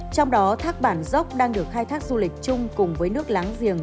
trong đó thác bản dốc đang được khai thác du lịch chung cùng với nước láng giềng